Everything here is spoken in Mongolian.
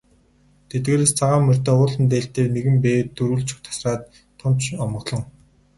Тэдгээрээс цагаан морьтой улаан дээлтэй нэгэн бээр түрүүлж тасраад тун ч омголон.